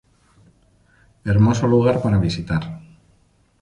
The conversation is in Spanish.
Hermoso lugar para visitar.